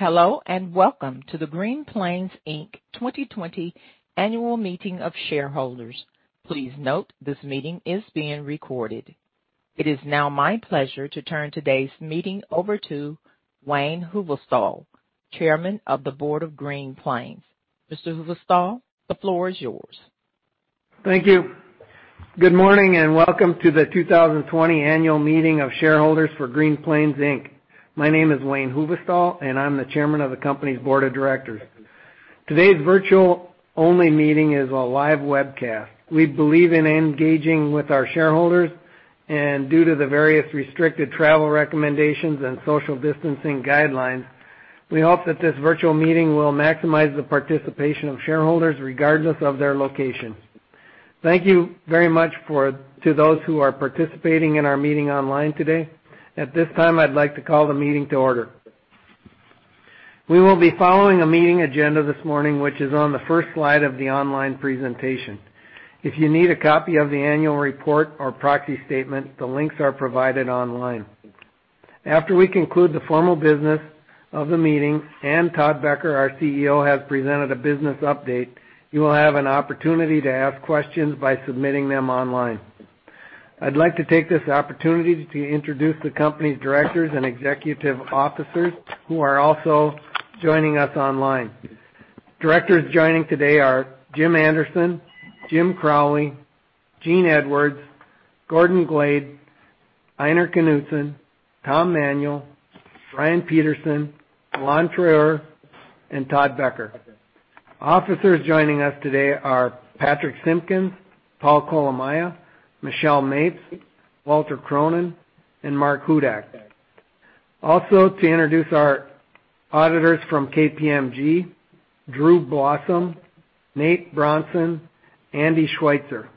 Hello, welcome to the Green Plains Inc. 2020 annual meeting of shareholders. Please note this meeting is being recorded. It is now my pleasure to turn today's meeting over to Wayne Hoovestol, Chairman of the Board of Green Plains. Mr. Hoovestol, the floor is yours. Thank you. Good morning and welcome to the 2020 annual meeting of shareholders for Green Plains Inc. My name is Wayne Hoovestol, and I'm the chairman of the company's board of directors. Today's virtual-only meeting is a live webcast. We believe in engaging with our shareholders, and due to the various restricted travel recommendations and social distancing guidelines, we hope that this virtual meeting will maximize the participation of shareholders regardless of their location. Thank you very much to those who are participating in our meeting online today. At this time, I'd like to call the meeting to order. We will be following a meeting agenda this morning, which is on the first slide of the online presentation. If you need a copy of the annual report or proxy statement, the links are provided online. After we conclude the formal business of the meeting and Todd Becker, our CEO, has presented a business update, you will have an opportunity to ask questions by submitting them online. I'd like to take this opportunity to introduce the company's directors and executive officers who are also joining us online. Directors joining today are Jim Anderson, Jim Crowley, Gene Edwards, Gordon Glade, Ejnar Knudsen, Tom Manuel, Brian Peterson, Alain Treuer, and Todd Becker. Officers joining us today are Patrich Simpkins, Paul Kolomaya, Michelle Mapes, Walter Cronin, and Mark Hudak. Also to introduce our auditors from KPMG, Drew Blossom, Nate Bronson, Andy Schweitzer.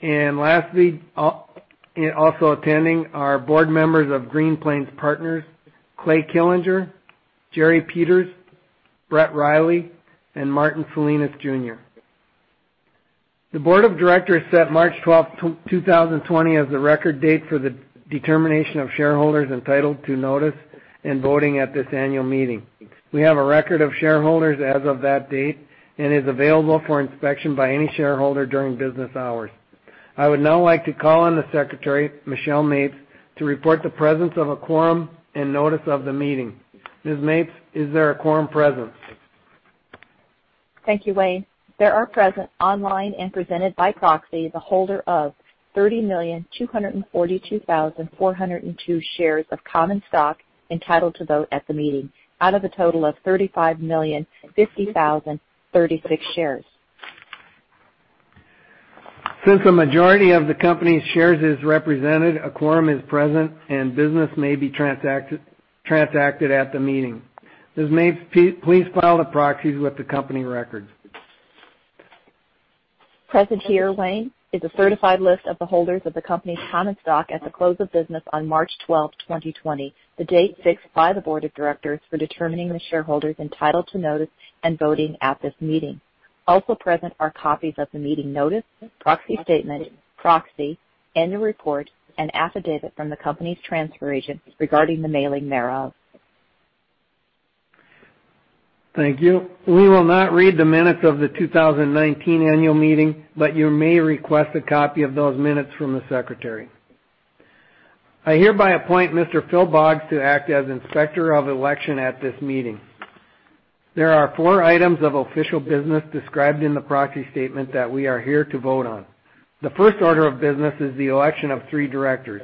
Lastly, also attending are board members of Green Plains Partners, Clay Killinger, Jerry Peters, Brett Riley, and Martin Salinas Jr. The board of directors set March 12th, 2020 as the record date for the determination of shareholders entitled to notice and voting at this annual meeting. We have a record of shareholders as of that date and is available for inspection by any shareholder during business hours. I would now like to call on the secretary, Michelle Mapes, to report the presence of a quorum and notice of the meeting. Ms. Mapes, is there a quorum present? Thank you, Wayne. There are present online and presented by proxy the holder of 30,242,402 shares of common stock entitled to vote at the meeting out of a total of 35,050,036 shares. Since the majority of the company's shares is represented, a quorum is present and business may be transacted at the meeting. Ms. Mapes, please file the proxies with the company records. Present here, Wayne, is a certified list of the holders of the company's common stock at the close of business on March 12th, 2020, the date fixed by the board of directors for determining the shareholders entitled to notice and voting at this meeting. Also present are copies of the meeting notice, proxy statement, proxy, annual report, and affidavit from the company's transfer agent regarding the mailing thereof. Thank you. We will not read the minutes of the 2019 annual meeting, but you may request a copy of those minutes from the secretary. I hereby appoint Mr. Phil Boggs to act as Inspector of Election at this meeting. There are four items of official business described in the proxy statement that we are here to vote on. The first order of business is the election of three directors.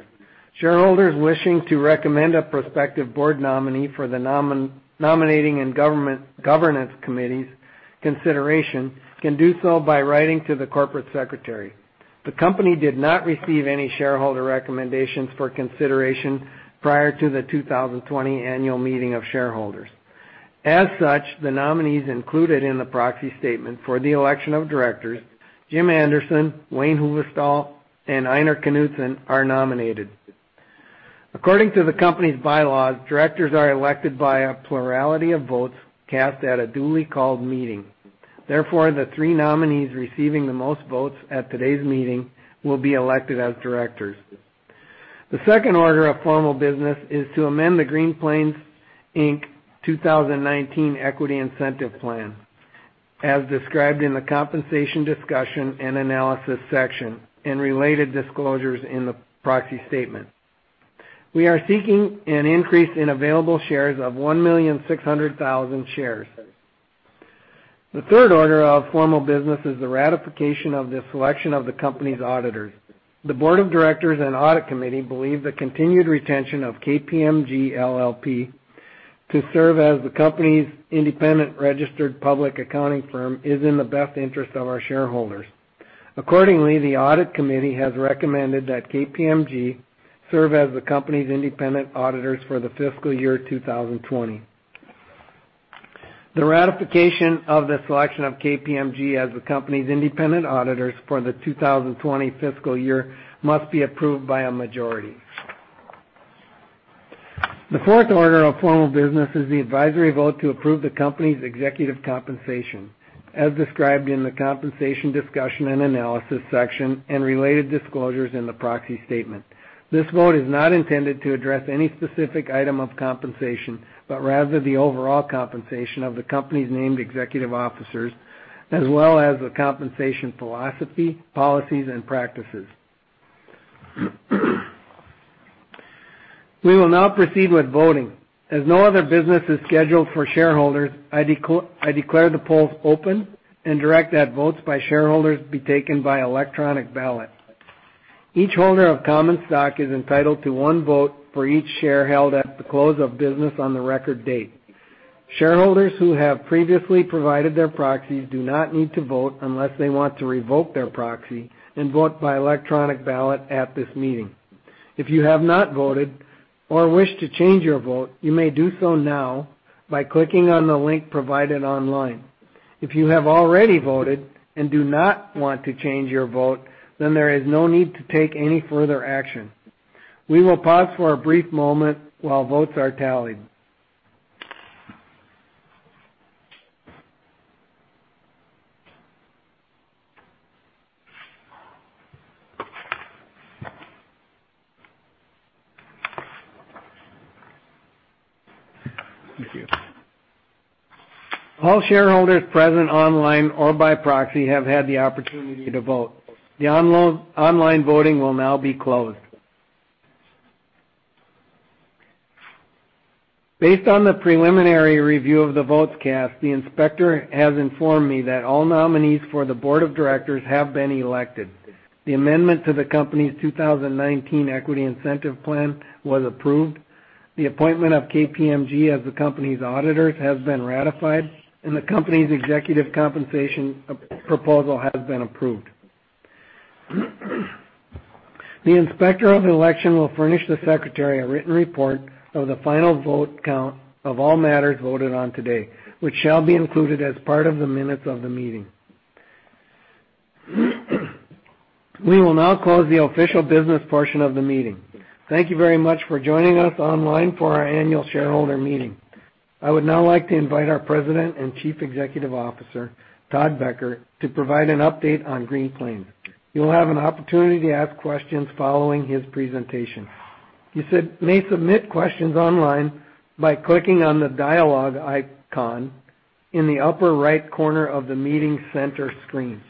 Shareholders wishing to recommend a prospective board nominee for the Nominating and Governance Committee's consideration can do so by writing to the corporate secretary. The company did not receive any shareholder recommendations for consideration prior to the 2020 annual meeting of shareholders. As such, the nominees included in the proxy statement for the election of directors, Jim Anderson, Wayne Hoovestol, and Ejnar Knudsen, are nominated. According to the company's bylaws, directors are elected by a plurality of votes cast at a duly called meeting. Therefore, the three nominees receiving the most votes at today's meeting will be elected as directors. The second order of formal business is to amend the Green Plains Inc. 2019 Equity Incentive Plan, as described in the Compensation Discussion and Analysis section and related disclosures in the proxy statement. We are seeking an increase in available shares of 1,600,000 shares. The third order of formal business is the ratification of the selection of the company's auditors. The board of directors and audit committee believe the continued retention of KPMG LLP to serve as the company's independent registered public accounting firm is in the best interest of our shareholders. Accordingly, the audit committee has recommended that KPMG serve as the company's independent auditors for the fiscal year 2020. The ratification of the selection of KPMG as the company's independent auditors for the 2020 fiscal year must be approved by a majority. The fourth order of formal business is the advisory vote to approve the company's executive compensation as described in the Compensation Discussion and analysis section and related disclosures in the proxy statement. This vote is not intended to address any specific item of compensation, but rather the overall compensation of the company's named executive officers, as well as the compensation philosophy, policies, and practices. We will now proceed with voting. As no other business is scheduled for shareholders, I declare the polls open and direct that votes by shareholders be taken by electronic ballot. Each holder of common stock is entitled to one vote for each share held at the close of business on the record date. Shareholders who have previously provided their proxies do not need to vote unless they want to revoke their proxy and vote by electronic ballot at this meeting. If you have not voted or wish to change your vote, you may do so now by clicking on the link provided online. If you have already voted and do not want to change your vote, then there is no need to take any further action. We will pause for a brief moment while votes are tallied. Thank you. All shareholders present online or by proxy have had the opportunity to vote. The online voting will now be closed. Based on the preliminary review of the votes cast, the inspector has informed me that all nominees for the board of directors have been elected. The amendment to the company's 2019 Equity Incentive Plan was approved. The appointment of KPMG as the company's auditors has been ratified, and the company's executive compensation proposal has been approved. The inspector of the election will furnish the secretary a written report of the final vote count of all matters voted on today, which shall be included as part of the minutes of the meeting. We will now close the official business portion of the meeting. Thank you very much for joining us online for our annual shareholder meeting. I would now like to invite our President and Chief Executive Officer, Todd Becker, to provide an update on Green Plains. You'll have an opportunity to ask questions following his presentation. You may submit questions online by clicking on the dialogue icon in the upper right corner of the meeting center screen.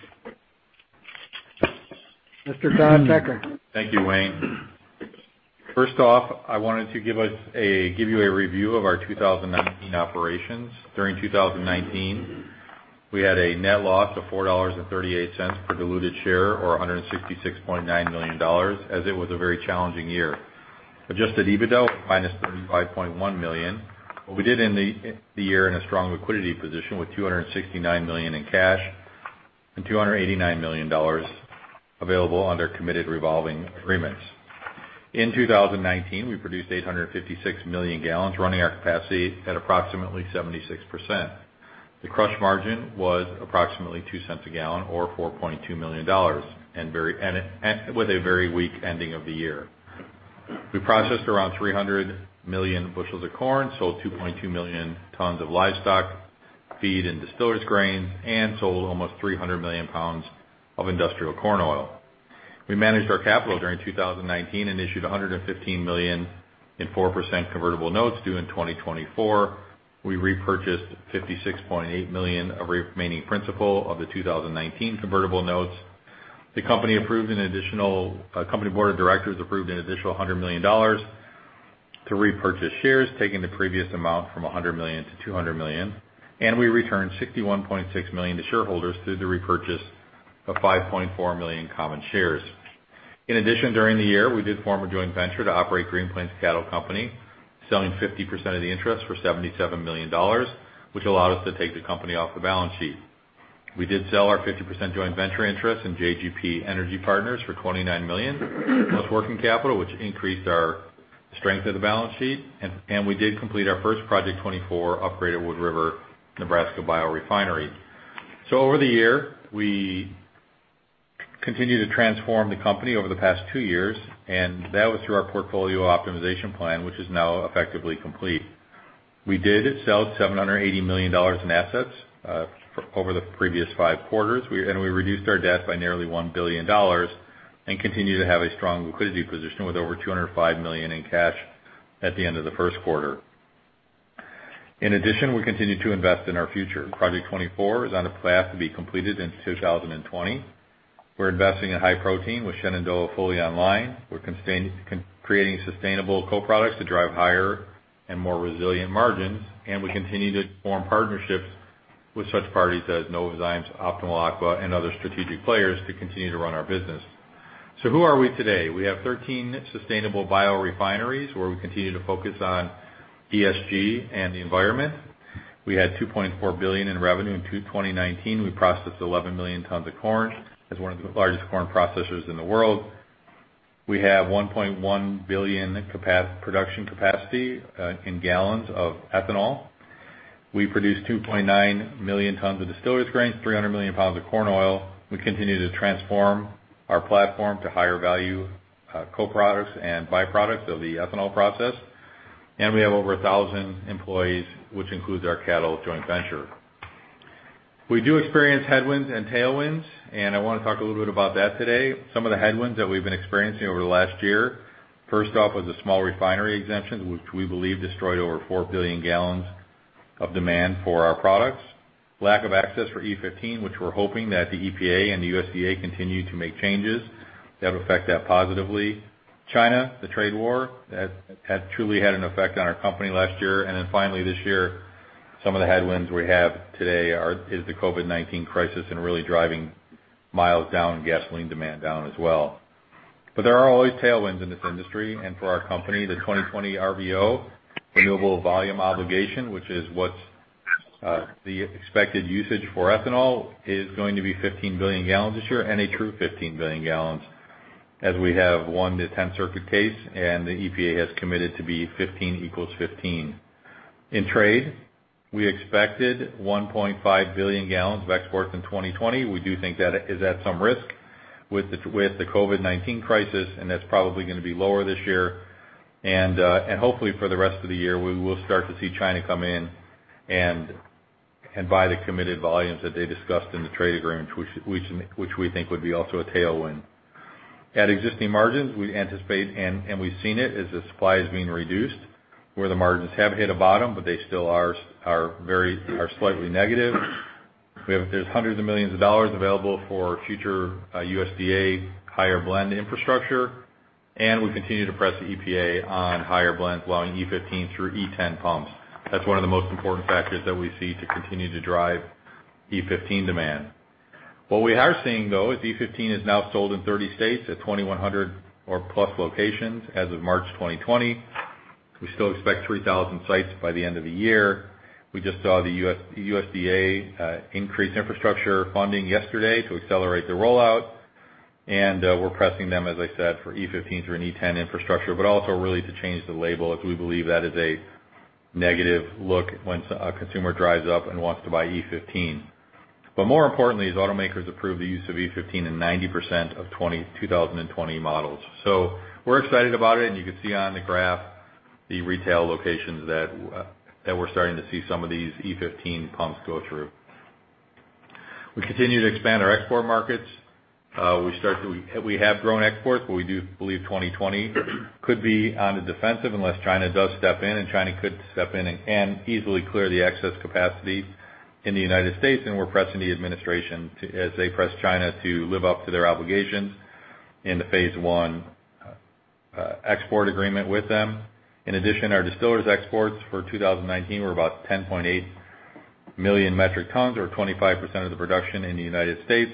Mr. Todd Becker. Thank you, Wayne. First off, I wanted to give you a review of our 2019 operations. During 2019, we had a net loss of $4.38 per diluted share, or $166.9 million, as it was a very challenging year. Adjusted EBITDA was -$35.1 million. We did end the year in a strong liquidity position with $269 million in cash and $289 million available under committed revolving agreements. In 2019, we produced 856 million gallons, running our capacity at approximately 76%. The crush margin was approximately $0.02 a gallon or $4.2 million with a very weak ending of the year. We processed around 300 million bushels of corn, sold 2.2 million tons of livestock feed and distillers' grains, and sold almost 300 million pounds of industrial corn oil. We managed our capital during 2019 and issued $115 million in 4% convertible notes due in 2024. We repurchased $56.8 million of remaining principal of the 2019 convertible notes. The company Board of Directors approved an additional $100 million to repurchase shares, taking the previous amount from $100 million-$200 million, and we returned $61.6 million to shareholders through the repurchase of 5.4 million common shares. In addition, during the year, we did form a joint venture to operate Green Plains Cattle Company, selling 50% of the interest for $77 million, which allowed us to take the company off the balance sheet. We did sell our 50% joint venture interest in JGP Energy Partners for $29 million+ working capital, which increased our strength of the balance sheet. We did complete our first Project 24 upgraded Wood River, Nebraska biorefinery. Over the year, we continued to transform the company over the past two years, and that was through our portfolio optimization plan, which is now effectively complete. We did sell $780 million in assets over the previous five quarters. We reduced our debt by nearly $1 billion and continue to have a strong liquidity position with over $205 million in cash at the end of the Q1. In addition, we continue to invest in our future. Project 24 is on a path to be completed in 2020. We're investing in high protein with Shenandoah fully online. We're creating sustainable co-products to drive higher and more resilient margins, and we continue to form partnerships with such parties as Novozymes, Optimal Aqua, and other strategic players to continue to run our business. Who are we today? We have 13 sustainable biorefineries, where we continue to focus on ESG and the environment. We had $2.4 billion in revenue in 2019. We processed 11 million tons of corn as one of the largest corn processors in the world. We have 1.1 billion production capacity in gallons of ethanol. We produce 2.9 million tons of distillers grains, 300 million pounds of corn oil. We continue to transform our platform to higher value co-products and by-products of the ethanol process. We have over 1,000 employees, which includes our cattle joint venture. We do experience headwinds and tailwinds, and I want to talk a little bit about that today. Some of the headwinds that we've been experiencing over the last year, first off was a small refinery exemption, which we believe destroyed over 4 billion gallons of demand for our products. Lack of access for E15, which we're hoping that the EPA and the USDA continue to make changes that affect that positively. China, the trade war, that has truly had an effect on our company last year. Finally, this year, some of the headwinds we have today is the COVID-19 crisis, and really driving miles down and gasoline demand down as well. There are always tailwinds in this industry, and for our company, the 2020 RVO, Renewable Volume Obligation, which is what's the expected usage for ethanol, is going to be 15 billion gallons this year, and a true 15 billion gallons, as we have won the 10th Circuit case, and the EPA has committed to be 15 equals 15. In trade, we expected 1.5 billion gallons of exports in 2020. We do think that is at some risk with the COVID-19 crisis, and that's probably going to be lower this year. Hopefully, for the rest of the year, we will start to see China come in and buy the committed volumes that they discussed in the trade agreement, which we think would be also a tailwind. At existing margins, we anticipate, and we've seen it, is the supply is being reduced, where the margins have hit a bottom, but they still are slightly negative. There's hundreds of millions of dollars available for future USDA higher blend infrastructure, and we continue to press the EPA on higher blends, allowing E15 through E10 pumps. That's one of the most important factors that we see to continue to drive E15 demand. What we are seeing, though, is E15 is now sold in 30 states at 2,100 or plus locations as of March 2020. We still expect 3,000 sites by the end of the year. We just saw the USDA increase infrastructure funding yesterday to accelerate the rollout. We're pressing them, as I said, for E15 through an E10 infrastructure, but also really to change the label, as we believe that is a negative look when a consumer drives up and wants to buy E15. More importantly is automakers approve the use of E15 in 90% of 2020 models. We're excited about it, and you can see on the graph the retail locations that we're starting to see some of these E15 pumps go through. We continue to expand our export markets. We have grown exports, but we do believe 2020 could be on the defensive unless China does step in, and China could step in and easily clear the excess capacity in the United States. We're pressing the administration, as they press China to live up to their obligations in the phase I Export Agreement with them. In addition, our distillers exports for 2019 were about 10.8 million metric tons, or 25% of the production in the United States.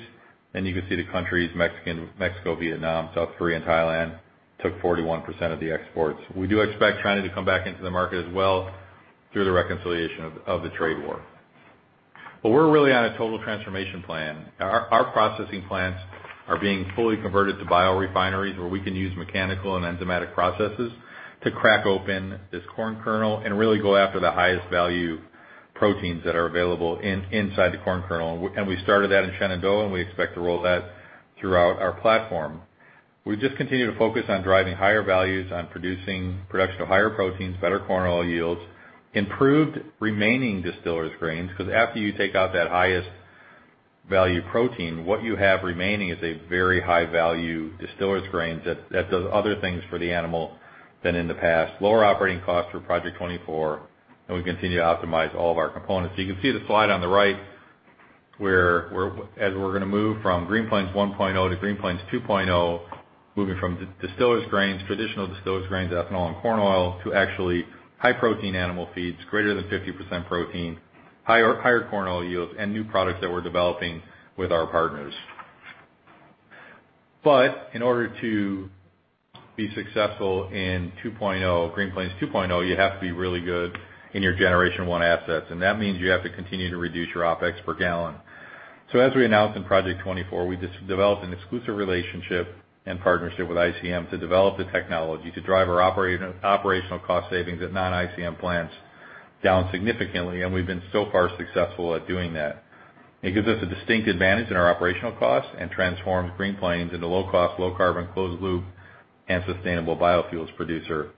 You can see the countries, Mexico, Vietnam, South Korea, and Thailand took 41% of the exports. We're really on a total transformation plan. Our processing plants are being fully converted to biorefineries where we can use mechanical and enzymatic processes to crack open this corn kernel and really go after the highest value proteins that are available inside the corn kernel. We started that in Shenandoah, and we expect to roll that throughout our platform. We just continue to focus on driving higher values, on producing higher proteins, better corn oil yields, improved remaining distillers grains, because after you take out that highest value protein, what you have remaining is a very high value distillers grains that does other things for the animal than in the past. Lower operating costs for Project 24, we continue to optimize all of our components. You can see the slide on the right, as we're going to move from Green Plains 1.0-Green Plains 2.0, moving from distillers grains, traditional distillers grains, ethanol, and corn oil, to actually high protein animal feeds, greater than 50% protein. Higher corn oil yields, and new products that we're developing with our partners. In order to be successful in Green Plains 2.0, you have to be really good in your generation one assets, and that means you have to continue to reduce your OpEx per gallon. As we announced in Project 24, we developed an exclusive relationship and partnership with ICM to develop the technology to drive our operational cost savings at non-ICM plants down significantly, and we've been so far successful at doing that. It gives us a distinct advantage in our operational costs and transforms Green Plains into low cost, low carbon, closed loop, and sustainable biofuels producer.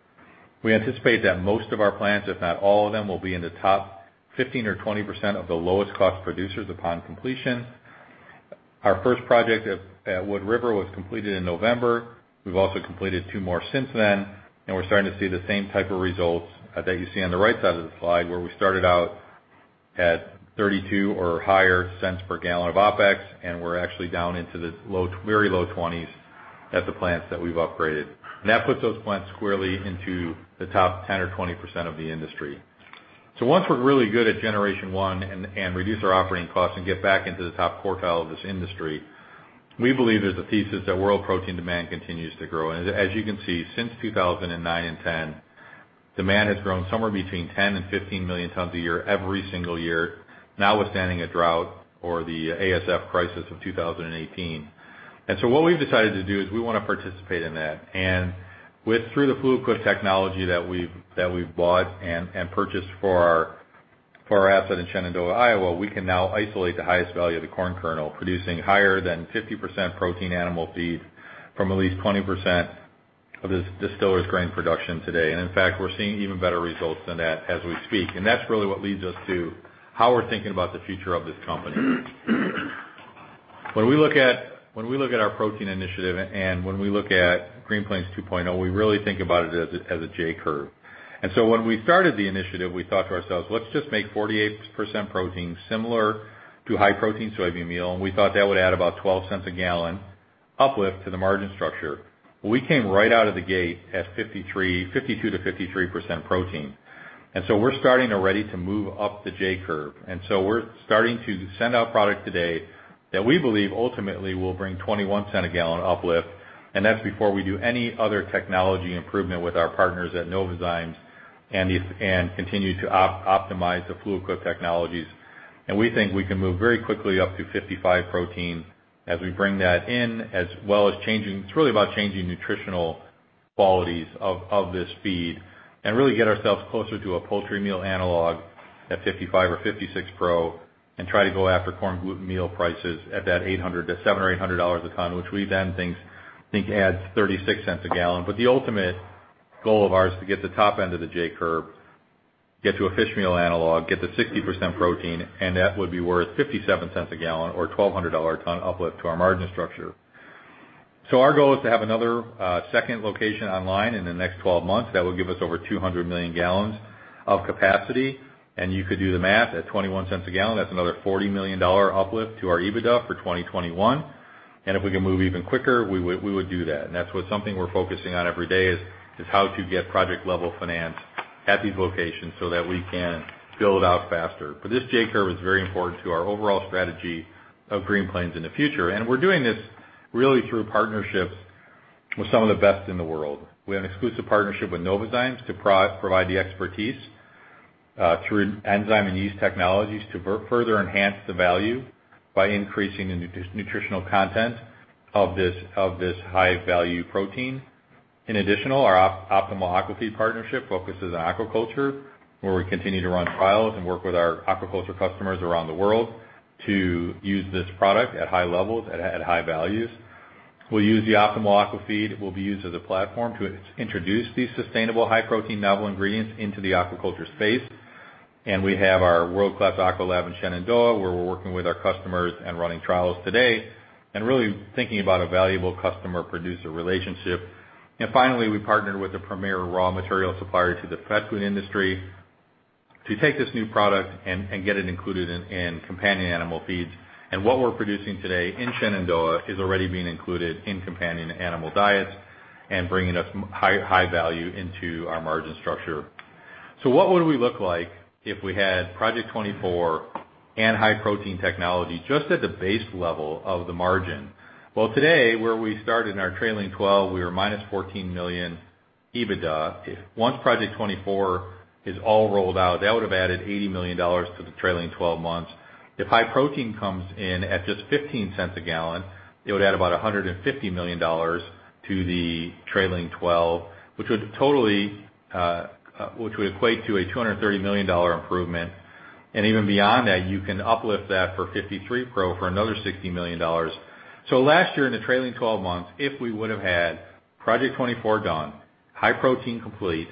We anticipate that most of our plants, if not all of them, will be in the top 15% or 20% of the lowest cost producers upon completion. Our first project at Wood River was completed in November. We've also completed two more since then. We're starting to see the same type of results that you see on the right side of the slide, where we started out at $0.32 or higher per gallon of OpEx. We're actually down into the very low $0.20s at the plants that we've upgraded. That puts those plants squarely into the top 10% or 20% of the industry. Once we're really good at Generation 1 and reduce our operating costs and get back into the top quartile of this industry, we believe there's a thesis that world protein demand continues to grow. As you can see, since 2009 and 2010, demand has grown somewhere between 10 million-15 million tons a year every single year, notwithstanding a drought or the ASF crisis of 2018. What we've decided to do is we want to participate in that. Through the Fluid Quip Technologies that we've bought and purchased for our asset in Shenandoah, Iowa, we can now isolate the highest value of the corn kernel, producing higher than 50% protein animal feed from at least 20% of this distiller's grain production today. In fact, we're seeing even better results than that as we speak. That's really what leads us to how we're thinking about the future of this company. When we look at our protein initiative and when we look at Green Plains 2.0, we really think about it as a J-curve. When we started the initiative, we thought to ourselves, "Let's just make 48% protein similar to high protein soybean meal." We thought that would add about $0.12 a gallon uplift to the margin structure. We came right out of the gate at 52%-53% protein. We're starting already to move up the J-curve. We're starting to send out product today that we believe ultimately will bring $0.21 a gallon uplift, and that's before we do any other technology improvement with our partners at Novozymes and continue to optimize the Fluid Quip Technologies. We think we can move very quickly up to 55 protein as we bring that in, as well as changing. It's really about changing nutritional qualities of this feed and really get ourselves closer to a poultry meal analog at 55 or 56 pro and try to go after corn gluten meal prices at that $700 or $800 a ton, which we then think adds $0.36 a gallon. The ultimate goal of ours to get the top end of the J-curve, get to a fish meal analog, get to 60% protein, and that would be worth $0.57 a gallon or $1,200 a ton uplift to our margin structure. Our goal is to have another second location online in the next 12 months. That will give us over 200 million gallons of capacity, and you could do the math. At $0.21 a gallon, that's another $40 million uplift to our EBITDA for 2021. If we can move even quicker, we would do that. That's something we're focusing on every day, is how to get project-level finance at these locations so that we can build out faster. This J-curve is very important to our overall strategy of Green Plains in the future. We're doing this really through partnerships with some of the best in the world. We have an exclusive partnership with Novozymes to provide the expertise through enzyme and yeast technologies to further enhance the value by increasing the nutritional content of this high-value protein. In addition, our Optimal Aquafeed partnership focuses on aquaculture, where we continue to run trials and work with our aquaculture customers around the world to use this product at high levels, at high values. We'll use the Optimal Aquafeed, will be used as a platform to introduce these sustainable high protein novel ingredients into the aquaculture space. We have our world-class aqua lab in Shenandoah, where we're working with our customers and running trials today and really thinking about a valuable customer-producer relationship. Finally, we partnered with the premier raw material supplier to the pet food industry to take this new product and get it included in companion animal feeds. What we're producing today in Shenandoah is already being included in companion animal diets and bringing us high value into our margin structure. What would we look like if we had Project 24 and high protein technology just at the base level of the margin? Well, today, where we started in our trailing 12, we were minus $14 million EBITDA. Once Project 24 is all rolled out, that would have added $80 million to the trailing 12 months. If high protein comes in at just $0.15 a gallon, it would add about $150 million to the trailing 12, which would equate to a $230 million improvement. Even beyond that, you can uplift that for 53 pro for another $60 million. Last year, in the trailing 12 months, if we would have had Project 24 done, high protein complete,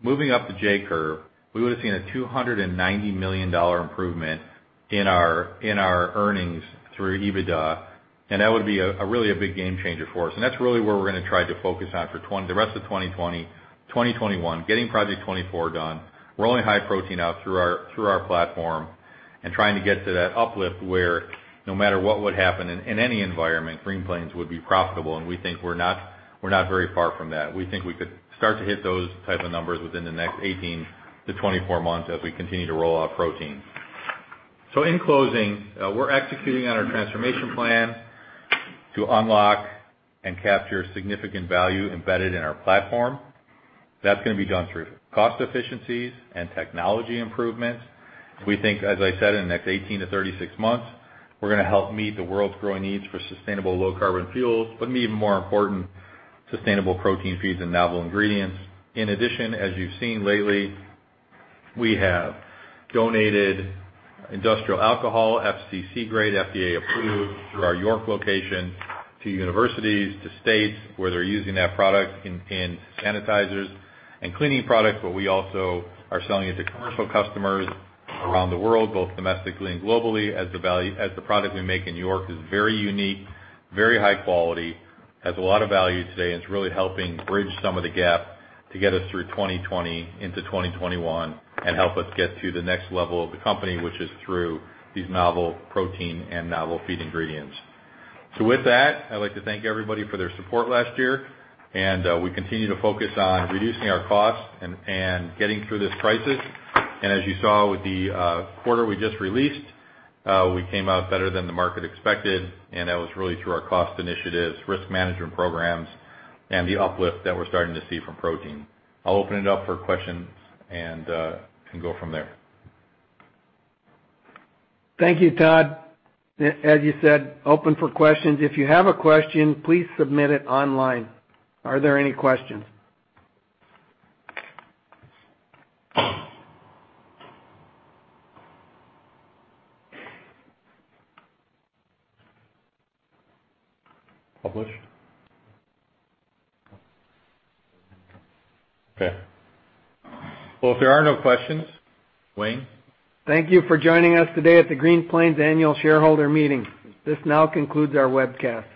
moving up the J-curve, we would have seen a $290 million improvement in our earnings through EBITDA, and that would be really a big game changer for us. That's really where we're going to try to focus on for the rest of 2020, 2021, getting Project 24 done, rolling high protein out through our platform, and trying to get to that uplift where no matter what would happen in any environment, Green Plains would be profitable. We think we're not very far from that. We think we could start to hit those type of numbers within the next 18-24 months as we continue to roll out protein. In closing, we're executing on our transformation plan to unlock and capture significant value embedded in our platform. That's going to be done through cost efficiencies and technology improvements. We think, as I said, in the next 18-36 months, we're going to help meet the world's growing needs for sustainable low carbon fuels, but even more important, sustainable protein feeds and novel ingredients. In addition, as you've seen lately, we have donated industrial alcohol, FCC grade, FDA approved, through our York location to universities, to states, where they're using that product in sanitizers and cleaning products. We also are selling it to commercial customers around the world, both domestically and globally, as the product we make in York is very unique, very high quality, has a lot of value today and it's really helping bridge some of the gap to get us through 2020 into 2021 and help us get to the next level of the company, which is through these novel protein and novel feed ingredients. With that, I'd like to thank everybody for their support last year, and we continue to focus on reducing our costs and getting through this crisis. As you saw with the quarter we just released, we came out better than the market expected, and that was really through our cost initiatives, risk management programs, and the uplift that we're starting to see from protein. I'll open it up for questions and can go from there. Thank you, Todd. As you said, open for questions. If you have a question, please submit it online. Are there any questions? Published? Okay. Well, if there are no questions, Wayne? Thank you for joining us today at the Green Plains Annual Shareholder Meeting. This now concludes our webcast. Thank you.